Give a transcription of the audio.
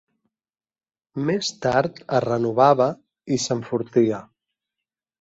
Més tard es renovava i s'enfortia.